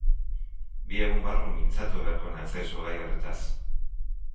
Bi egun barru mintzatu beharko natzaizu gai horretaz.